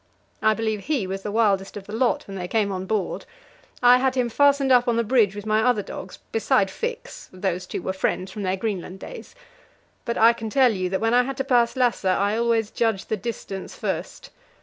I believe he was the wildest of the lot when they came on board. I had him fastened up on the bridge with my other dogs, beside Fix those two were friends from their Greenland days. But I can tell you that when I had to pass Lasse, I always judged the distance first.